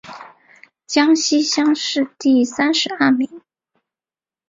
江西乡试第三十二名。